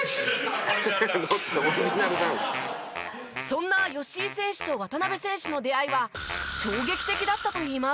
そんな吉井選手と渡邊選手の出会いは衝撃的だったといいます。